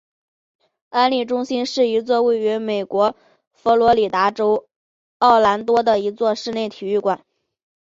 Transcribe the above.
安丽中心是一座位于美国佛罗里达州奥兰多的一座室内体育馆。